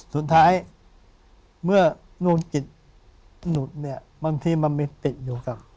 สุดท้ายเมื่อนู่นจิตหลุดเนี่ยบางทีมันไปติดอยู่กับ